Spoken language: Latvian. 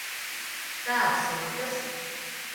Kā sokas?